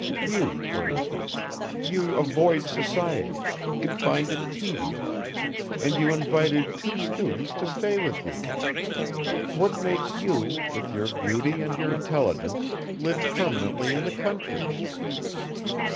You, for instance; you avoid society, you find it tedious and you invited two students to stay with you. What makes you, with your beauty and your intelligence, live permanently in the country?"